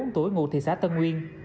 ba mươi bốn tuổi ngụ thị xã tân uyên